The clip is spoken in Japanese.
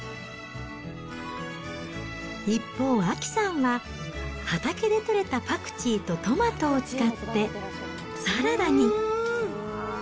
一方、亜紀さんは畑で取れたパクチーとトマトを使ってサラダに。